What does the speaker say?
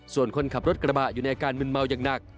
ส่วนคนขับรถกระบะอยู่ในอาการมึนเมาอย่างหนัก